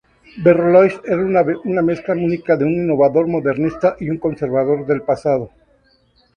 Berlioz era una mezcla única de un innovador modernista y un conservador del pasado.